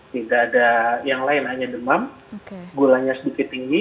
tidak ada yang lain hanya demam gulanya sedikit tinggi